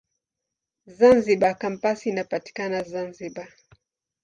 Zanzibar Kampasi inapatikana Zanzibar.